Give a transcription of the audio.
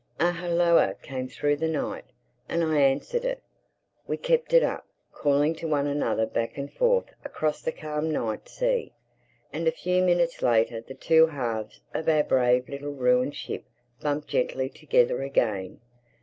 A hulloa came through the night. And I answered it. We kept it up, calling to one another back and forth across the calm night sea. And a few minutes later the two halves of our brave little ruined ship bumped gently together again.